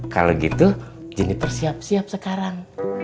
kalau gitu juniper siap siap sekarang